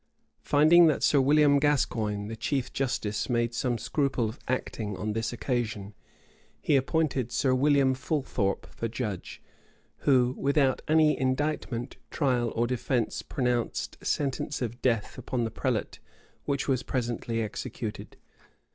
Finding that Sir William Gascoigne, the chief justice, made some scruple of acting on this occasion, he appointed Sir William Fulthorpe for judge; who, without any indictment, trial, or defence pronounced sentence of death upon the prelate which was presently executed.